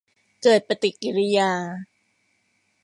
เกิดปฏิกิริยา